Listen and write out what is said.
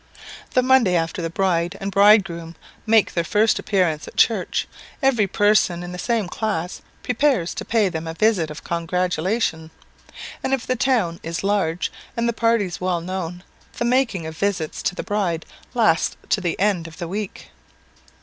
The Monday after the bride and bridegroom make their first appearance at church, every person in the same class prepares to pay them a visit of congratulation; and if the town is large, and the parties well known, the making of visits to the bride lasts to the end of the week.